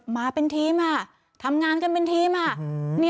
มาเป็นทีมค่ะทำงานกันเป็นทีม